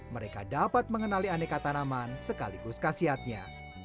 mereka dapat mengenali aneka tanaman sekaligus kasiatnya